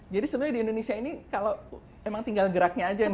jadi sebenarnya di indonesia ini kalau emang tinggal geraknya aja nih